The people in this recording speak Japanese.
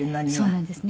そうなんですね。